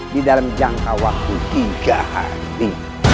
di dalam jangka waktu tiga hari